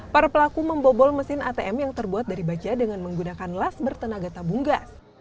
para pelaku membobol mesin atm yang terbuat dari baja dengan menggunakan las bertenaga tabung gas